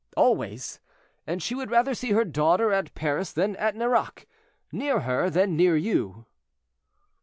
"Always; and she would rather see her daughter at Paris than at Nerac—near her than near you."